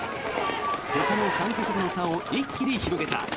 ほかの参加者との差を一気に広げた。